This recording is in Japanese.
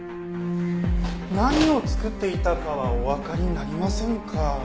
何を作っていたかはおわかりになりませんか？